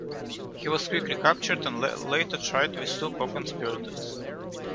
He was quickly captured and later tried with two co-conspirators.